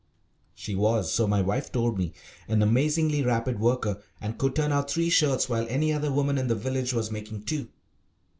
She was, so my wife told me, an amazingly rapid worker, and could turn out three shirts while any other woman in the village was making two.